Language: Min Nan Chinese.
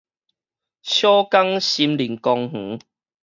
小港森林公園